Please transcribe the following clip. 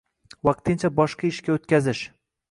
vaqtincha boshqa ishga o‘tkazish